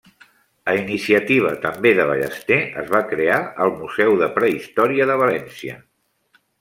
A iniciativa també de Ballester, es va crear el Museu de Prehistòria de València.